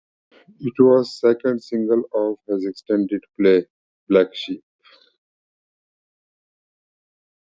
It was the second single off his extended play "Black Sheep".